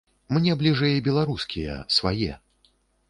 Мне бліжэй беларускія, свае.